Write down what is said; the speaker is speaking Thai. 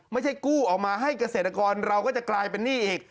ไม่ใช่กู้ออกมาให้เกษตรกรเราก็จะกลายเป็นหนี้อีก